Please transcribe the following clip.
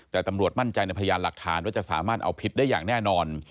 แต่ตำรวจมั่นใจในพยานหลักฐานว่าจะสามารถเอาผิดได้อย่างแน่นอน